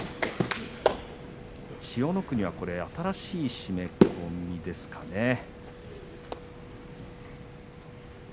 千代の国は新しい締め込みですかね。